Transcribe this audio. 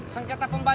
menurut lo betul sudah